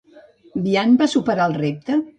Biant va superar el repte?